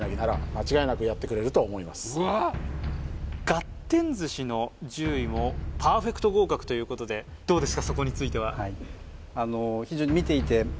がってん寿司の１０位もパーフェクト合格ということでどうですか？